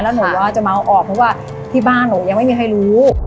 แล้วหนูว่าจะเมาออกเพราะว่าที่บ้านหนูยังไม่มีใครรู้